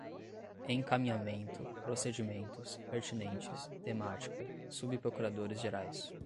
encaminhamento, procedimentos, pertinentes, temática, subprocuradores-gerais